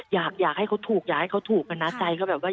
อยากให้เขาถูกอยากให้เขาถูกกันนะใจก็แบบว่า